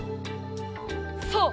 そう！